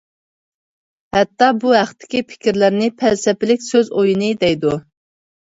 ھەتتا بۇ ھەقتىكى پىكىرلەرنى پەلسەپىلىك سۆز ئويۇنى، دەيدۇ.